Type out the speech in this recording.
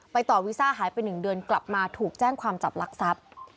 ต่อวีซ่าหายไป๑เดือนกลับมาถูกแจ้งความจับลักทรัพย์